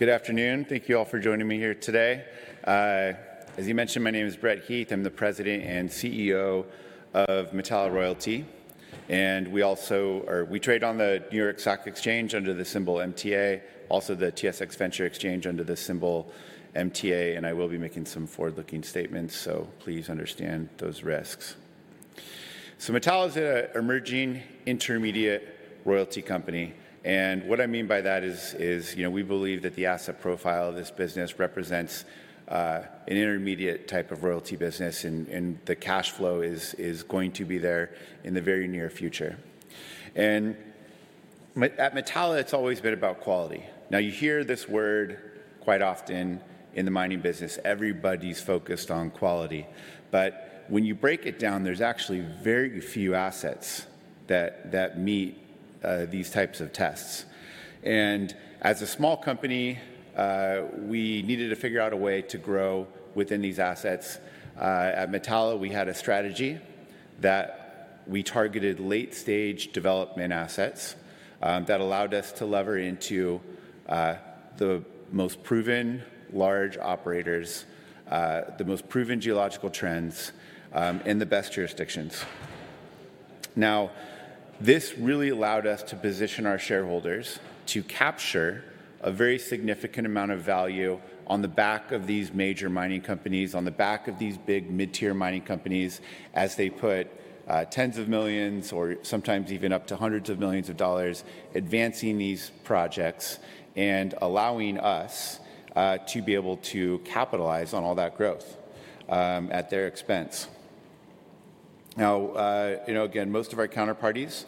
Good afternoon. Thank you all for joining me here today. As he mentioned, my name is Brett Heath. I'm the President and CEO of Metalla Royalty, and we also are, we trade on the New York Stock Exchange under the symbol MTA, also the TSX Venture Exchange under the symbol MTA, and I will be making some forward-looking statements, so please understand those risks. So Metalla is an emerging intermediate royalty company, and what I mean by that is, you know, we believe that the asset profile of this business represents an intermediate type of royalty business and the cash flow is going to be there in the very near future. And at Metalla, it's always been about quality. Now, you hear this word quite often in the mining business. Everybody's focused on quality. But when you break it down, there's actually very few assets that meet these types of tests. As a small company, we needed to figure out a way to grow within these assets. At Metalla, we had a strategy that we targeted late-stage development assets that allowed us to lever into the most proven large operators, the most proven geological trends, and the best jurisdictions. Now, this really allowed us to position our shareholders to capture a very significant amount of value on the back of these major mining companies, on the back of these big mid-tier mining companies, as they put $10s of millions or sometimes even up to $100s of millions advancing these projects and allowing us to be able to capitalize on all that growth at their expense. Now, you know, again, most of our counterparties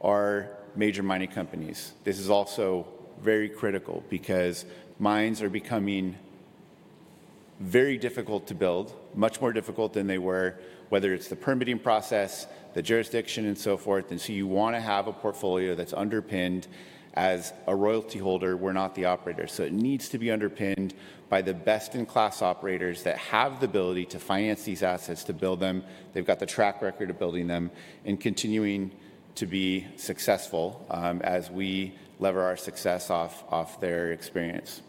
are major mining companies. This is also very critical because mines are becoming very difficult to build, much more difficult than they were, whether it's the permitting process, the jurisdiction, and so forth. And so you wanna have a portfolio that's underpinned. As a royalty holder, we're not the operator, so it needs to be underpinned by the best-in-class operators that have the ability to finance these assets to build them. They've got the track record of building them and continuing to be successful, as we lever our success off their experience.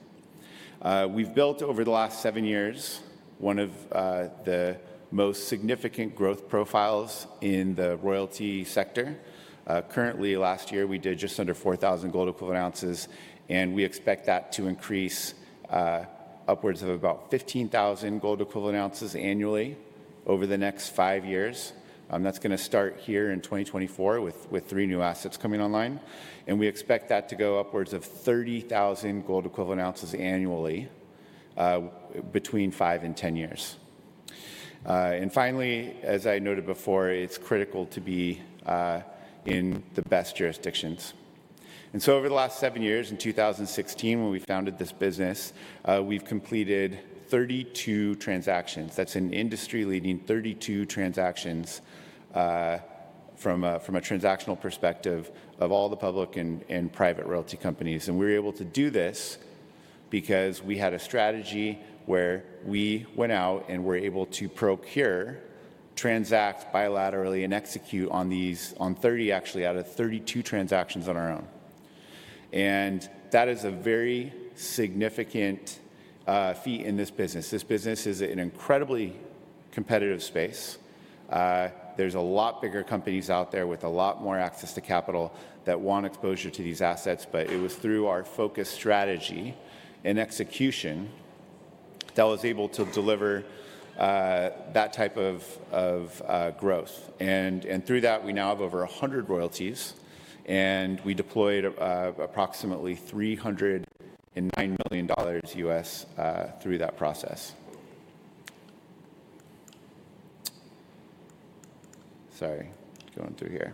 We've built over the last seven years, one of the most significant growth profiles in the royalty sector. Currently, last year, we did just under 4,000 gold equivalent ounces, and we expect that to increase upwards of about 15,000 gold equivalent ounces annually over the next 5 years. That's gonna start here in 2024 with three new assets coming online, and we expect that to go upwards of 30,000 gold equivalent ounces annually between 5 and 10 years. And finally, as I noted before, it's critical to be in the best jurisdictions. So over the last 7 years, in 2016, when we founded this business, we've completed 32 transactions. That's an industry-leading 32 transactions from a transactional perspective of all the public and private royalty companies. We were able to do this because we had a strategy where we went out and were able to procure, transact bilaterally, and execute on these, on 30, actually, out of 32 transactions on our own. And that is a very significant feat in this business. This business is an incredibly competitive space. There's a lot bigger companies out there with a lot more access to capital that want exposure to these assets, but it was through our focused strategy and execution that was able to deliver that type of growth. And through that, we now have over 100 royalties, and we deployed approximately $309 million through that process. Sorry, going through here.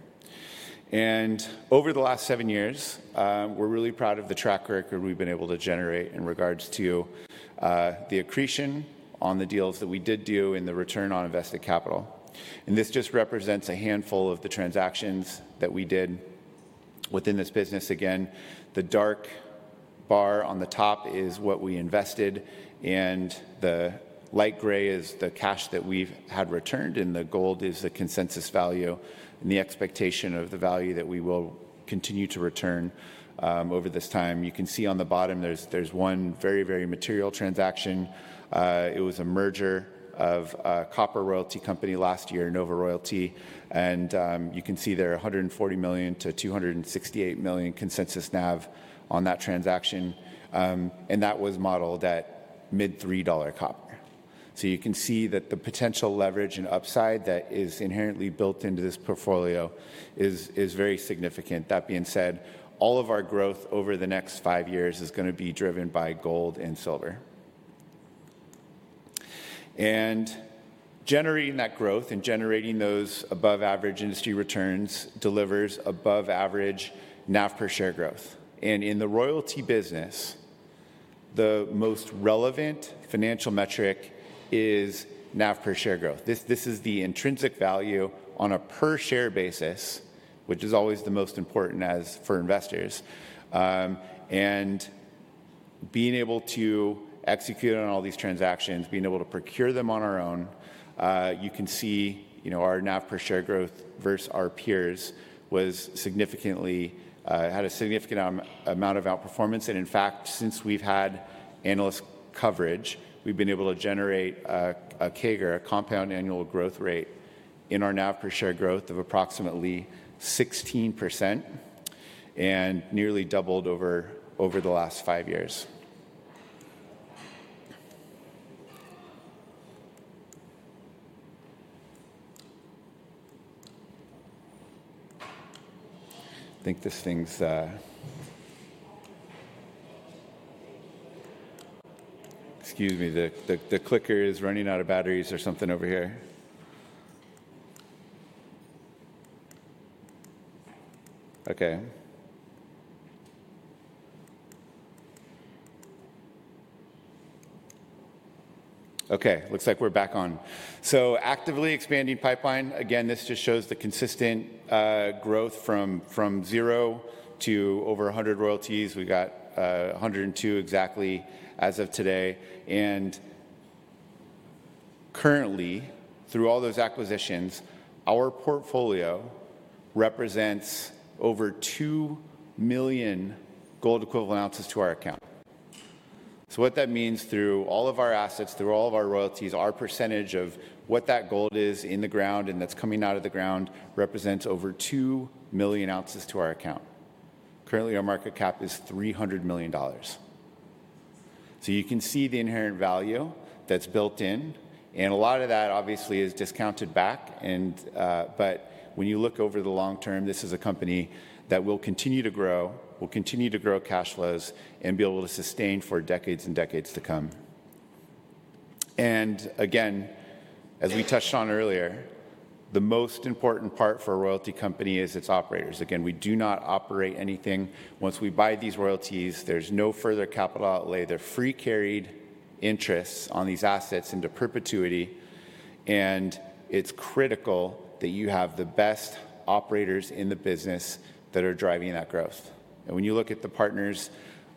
Over the last seven years, we're really proud of the track record we've been able to generate in regards to the accretion on the deals that we did do and the return on invested capital. And this just represents a handful of the transactions that we did within this business. Again, the dark bar on the top is what we invested, and the light gray is the cash that we've had returned, and the gold is the consensus value and the expectation of the value that we will continue to return over this time. You can see on the bottom, there's one very, very material transaction. It was a merger of a copper royalty company last year, Nova Royalty, and you can see there $140 million-$268 million consensus NAV on that transaction, and that was modeled at mid $3 copper. So you can see that the potential leverage and upside that is inherently built into this portfolio is very significant. That being said, all of our growth over the next five years is gonna be driven by gold and silver. And generating that growth and generating those above-average industry returns delivers above-average NAV per share growth. And in the royalty business, the most relevant financial metric is NAV per share growth. This, this is the intrinsic value on a per share basis, which is always the most important as for investors. And… being able to execute on all these transactions, being able to procure them on our own, you can see, you know, our NAV per share growth versus our peers was significantly, had a significant amount of outperformance. And in fact, since we've had analyst coverage, we've been able to generate a CAGR, a compound annual growth rate, in our NAV per share growth of approximately 16% and nearly doubled over the last five years. I think this thing's... Excuse me, the clicker is running out of batteries or something over here. Okay. Okay, looks like we're back on. So actively expanding pipeline, again, this just shows the consistent growth from zero to over 100 royalties. We've got 102 exactly as of today. Currently, through all those acquisitions, our portfolio represents over 2 million gold equivalent ounces to our account. So what that means through all of our assets, through all of our royalties, our percentage of what that gold is in the ground and that's coming out of the ground represents over 2 million ounces to our account. Currently, our market cap is $300 million. So you can see the inherent value that's built in, and a lot of that obviously is discounted back and, but when you look over the long term, this is a company that will continue to grow, will continue to grow cash flows, and be able to sustain for decades and decades to come. And again, as we touched on earlier, the most important part for a royalty company is its operators. Again, we do not operate anything. Once we buy these royalties, there's no further capital outlay. They're free carried interests on these assets into perpetuity, and it's critical that you have the best operators in the business that are driving that growth. And when you look at the partners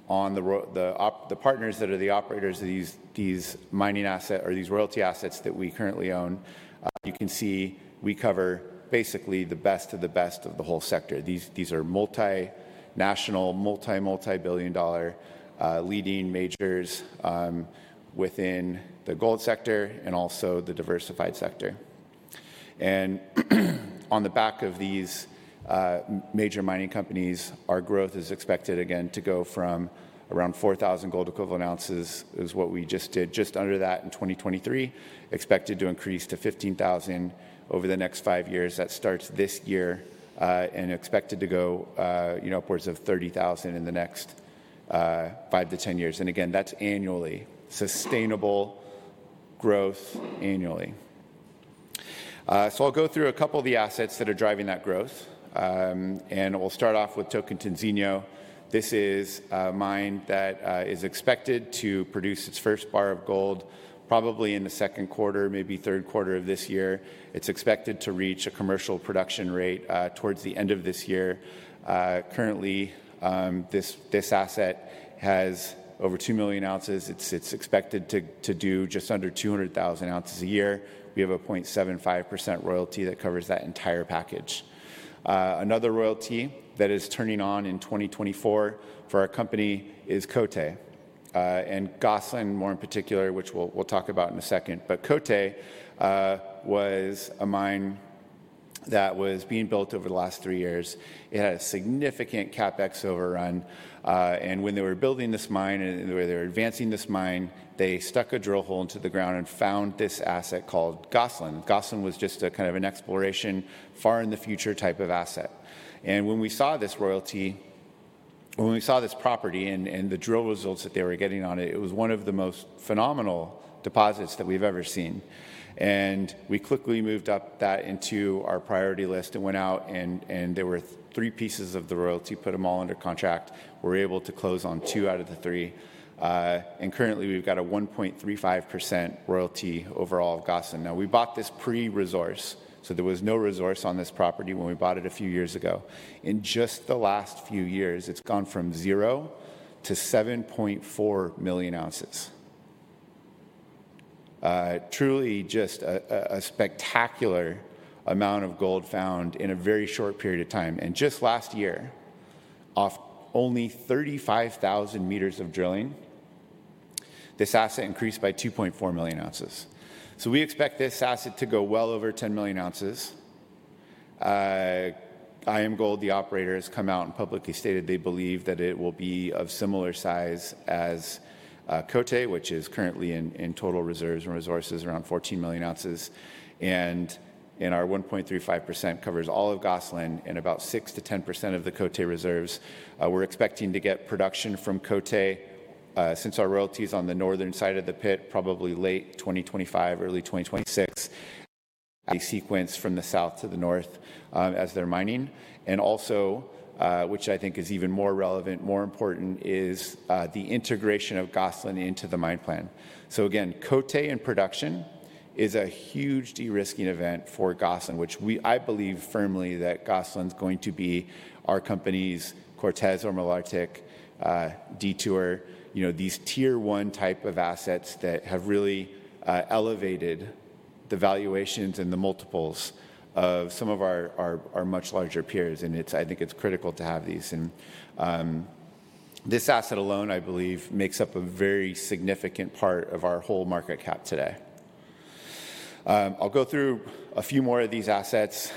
that are the operators of these, these mining asset or these royalty assets that we currently own, you can see we cover basically the best of the best of the whole sector. These, these are multinational, multi-billion-dollar leading majors within the gold sector and also the diversified sector. And on the back of these major mining companies, our growth is expected again to go from around 4,000 gold equivalent ounces is what we just did, just under that in 2023, expected to increase to 15,000 over the next five years. That starts this year, and expected to go, you know, upwards of 30,000 in the next 5-10 years. Again, that's annually, sustainable growth annually. I'll go through a couple of the assets that are driving that growth, and we'll start off with Tocantinzinho. This is a mine that is expected to produce its first bar of gold probably in the second quarter, maybe third quarter of this year. It's expected to reach a commercial production rate towards the end of this year. Currently, this asset has over 2 million ounces. It's expected to do just under 200,000 ounces a year. We have a 0.75% royalty that covers that entire package. Another royalty that is turning on in 2024 for our company is Côté, and Gosselin more in particular, which we'll talk about in a second. But Côté was a mine that was being built over the last three years. It had a significant CapEx overrun, and when they were building this mine and the way they were advancing this mine, they stuck a drill hole into the ground and found this asset called Gosselin. Gosselin was just a kind of an exploration, far in the future type of asset. And when we saw this royalty... When we saw this property and the drill results that they were getting on it, it was one of the most phenomenal deposits that we've ever seen. We quickly moved up that into our priority list and went out and there were three pieces of the royalty, put them all under contract. We were able to close on two out of the three, and currently, we've got a 1.35% royalty over all of Gosselin. Now, we bought this pre-resource, so there was no resource on this property when we bought it a few years ago. In just the last few years, it's gone from zero to 7.4 million ounces. Truly just a spectacular amount of gold found in a very short period of time. And just last year, off only 35,000 meters of drilling, this asset increased by 2.4 million ounces. We expect this asset to go well over 10 million ounces. IAMGOLD, the operator, has come out and publicly stated they believe that it will be of similar size as, Côté, which is currently in total reserves and resources around 14 million ounces. And in our 1.35% covers all of Gosselin and about 6%-10% of the Côté reserves. We're expecting to get production from Côté, since our royalty is on the northern side of the pit, probably late 2025, early 2026. They sequence from the south to the north, as they're mining. And also, which I think is even more relevant, more important, is, the integration of Gosselin into the mine plan. So again, Côté in production is a huge de-risking event for Gosselin, which I believe firmly that Gosselin is going to be our company's Cortez or Malartic, Detour, you know, these Tier one type of assets that have really elevated the valuations and the multiples of some of our, our, our much larger peers, and it's, I think it's critical to have these. This asset alone, I believe, makes up a very significant part of our whole market cap today. I'll go through a few more of these assets.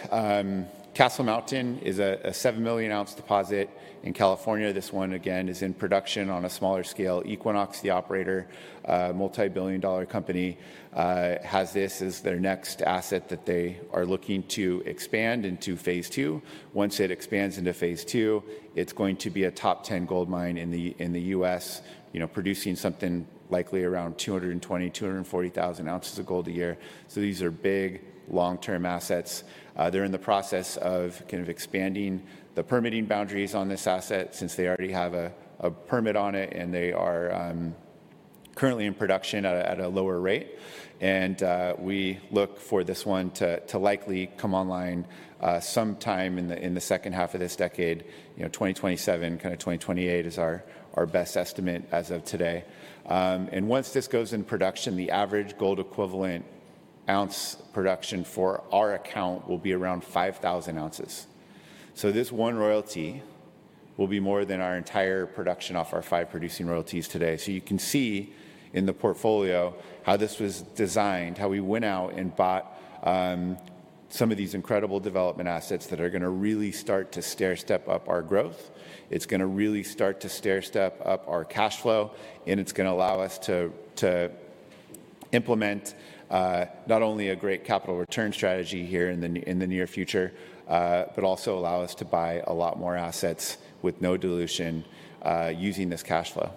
Castle Mountain is a seven million ounce deposit in California. This one, again, is in production on a smaller scale. Equinox, the operator, a multi-billion dollar company, has this as their next asset that they are looking to expand into phase two. Once it expands into phase two, it's going to be a top 10 gold mine in the US, you know, producing something likely around 220,000-240,000 ounces of gold a year. So these are big, long-term assets. They're in the process of kind of expanding the permitting boundaries on this asset since they already have a permit on it, and they are currently in production at a lower rate. And we look for this one to likely come online sometime in the second half of this decade. You know, 2027, kind of 2028 is our best estimate as of today. And once this goes in production, the average gold equivalent ounce production for our account will be around 5,000 ounces. So this one royalty will be more than our entire production off our five producing royalties today. So you can see in the portfolio how this was designed, how we went out and bought some of these incredible development assets that are gonna really start to stairstep up our growth. It's gonna really start to stairstep up our cash flow, and it's gonna allow us to implement not only a great capital return strategy here in the near future, but also allow us to buy a lot more assets with no dilution using this cash flow.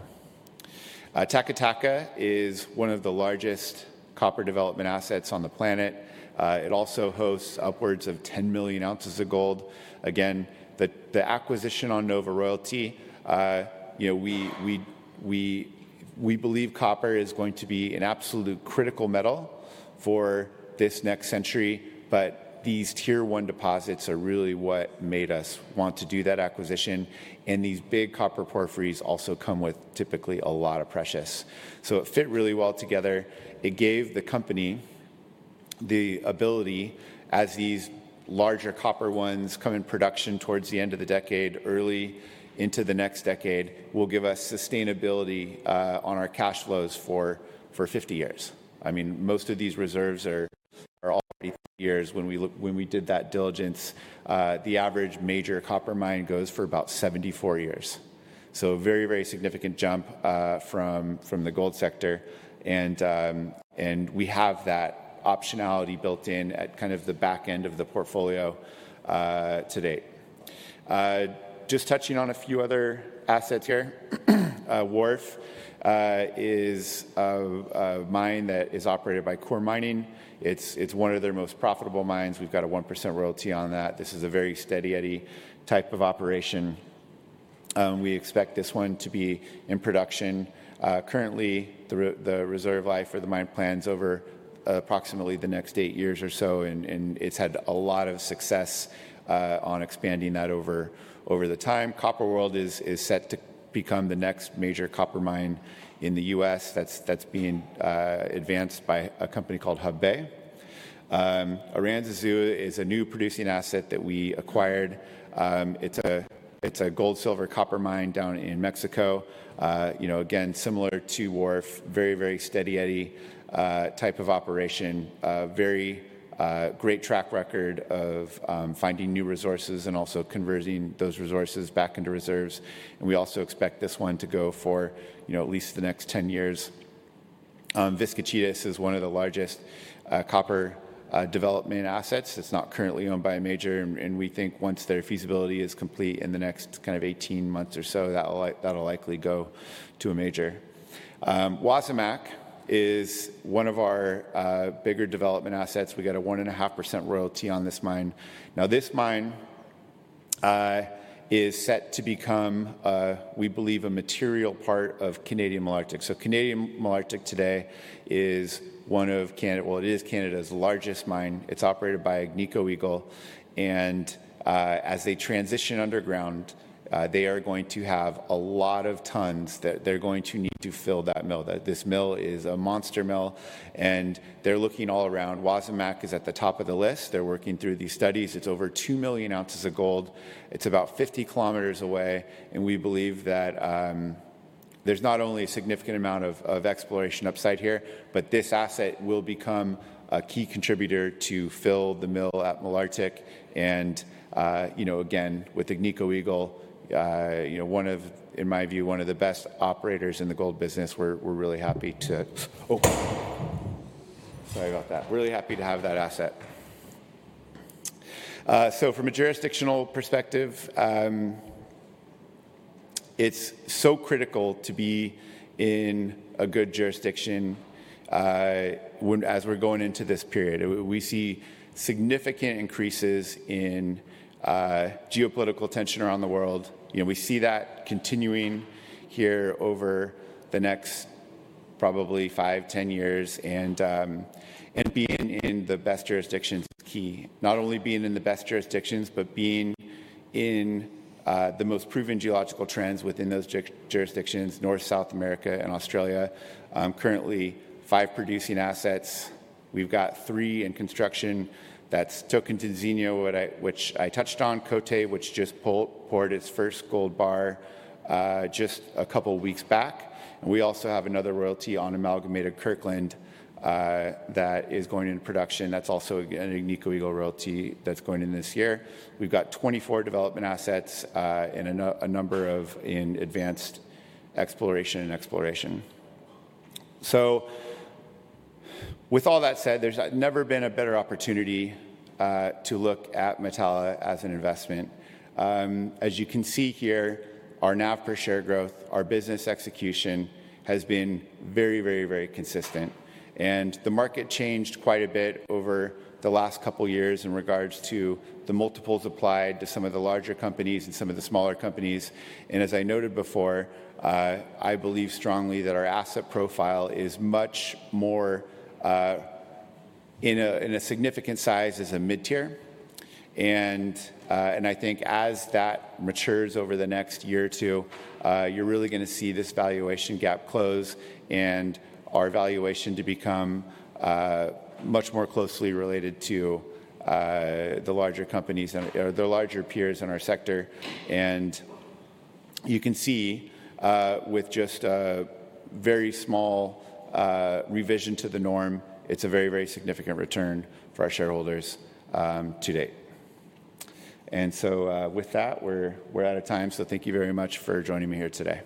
Taca Taca is one of the largest copper development assets on the planet. It also hosts upwards of 10 million ounces of gold. Again, the acquisition on Nova Royalty, you know, we believe copper is going to be an absolute critical metal for this next century, but these Tier 1 deposits are really what made us want to do that acquisition, and these big copper porphyries also come with typically a lot of precious. So it fit really well together. It gave the company the ability, as these larger copper ones come in production towards the end of the decade, early into the next decade, will give us sustainability on our cash flows for 50 years. I mean, most of these reserves are already years. When we did that diligence, the average major copper mine goes for about 74 years. So a very, very significant jump from the gold sector and we have that optionality built in at kind of the back end of the portfolio to date. Just touching on a few other assets here. Wharf is a mine that is operated by Coeur Mining. It's one of their most profitable mines. We've got a 1% royalty on that. This is a very Steady Eddie type of operation, we expect this one to be in production. Currently, the reserve life for the mine plans over approximately the next 8 years or so, and it's had a lot of success on expanding that over the time. Copper World is set to become the next major copper mine in the U.S. that's being advanced by a company called Hudbay. Aranzazu is a new producing asset that we acquired. It's a gold, silver, copper mine down in Mexico. You know, again, similar to Wharf, very, very Steady Eddie type of operation. A very great track record of finding new resources and also converting those resources back into reserves, and we also expect this one to go for, you know, at least the next 10 years. Vizcachitas is one of the largest copper development assets. It's not currently owned by a major, and we think once their feasibility is complete in the next kind of 18 months or so, that'll likely go to a major. Wasamac is one of our bigger development assets. We got a 1.5% royalty on this mine. Now, this mine is set to become, we believe, a material part of Canadian Malartic. So Canadian Malartic today is one of Canada... Well, it is Canada's largest mine. It's operated by Agnico Eagle, and, as they transition underground, they are going to have a lot of tons that they're going to need to fill that mill. That this mill is a monster mill, and they're looking all around. Wasamac is at the top of the list. They're working through these studies. It's over 2 million ounces of gold. It's about 50 km away, and we believe that, there's not only a significant amount of exploration upside here, but this asset will become a key contributor to fill the mill at Malartic. And, you know, again, with Agnico Eagle, you know, one of, in my view, one of the best operators in the gold business, we're, we're really happy to. Oh, sorry about that. Really happy to have that asset. So from a jurisdictional perspective, it's so critical to be in a good jurisdiction, when, as we're going into this period. We see significant increases in geopolitical tension around the world. You know, we see that continuing here over the next probably 5-10 years, and, and being in the best jurisdictions is key. Not only being in the best jurisdictions, but being in the most proven geological trends within those jurisdictions, North, South America and Australia. Currently, 5 producing assets. We've got 3 in construction. That's Tocantinzinho, which I touched on, Côté, which just poured its first gold bar just a couple weeks back. We also have another royalty on Amalgamated Kirkland that is going in production. That's also again, an Agnico Eagle royalty that's going in this year. We've got 24 development assets, and a number of in advanced exploration and exploration. So with all that said, there's never been a better opportunity to look at Metalla as an investment. As you can see here, our NAV per share growth, our business execution, has been very, very, very consistent, and the market changed quite a bit over the last couple years in regards to the multiples applied to some of the larger companies and some of the smaller companies. As I noted before, I believe strongly that our asset profile is much more in a significant size as a mid-tier. And I think as that matures over the next year or two, you're really gonna see this valuation gap close and our valuation to become much more closely related to the larger companies and or the larger peers in our sector. And you can see with just a very small revision to the norm, it's a very, very significant return for our shareholders to date. And so with that, we're out of time, so thank you very much for joining me here today.